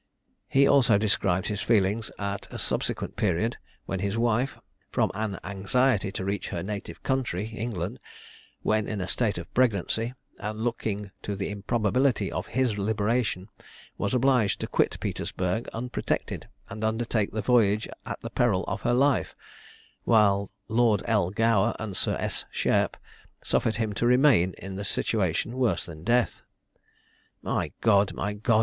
He also described his feelings at a subsequent period, when his wife, from an anxiety to reach her native country (England) when in a state of pregnancy, and looking to the improbability of his liberation, was obliged to quit Petersburgh unprotected, and undertake the voyage at the peril of her life; while Lord L. Gower and Sir S. Shairp suffered him to remain in a situation worse than death. "My God! my God!"